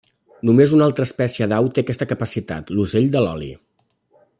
Només una altra espècie d'au té aquesta capacitat: l'ocell de l'oli.